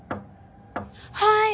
はい！